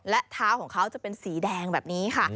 และเท้าของเขาจะเป็นสีแดงแบบนี้ค่ะ